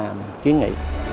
để mà kiến nghị